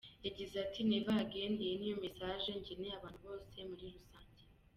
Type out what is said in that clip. Yagize ati ”Never Again’ iyi niyo message ngeneye abantu bose muri rusange.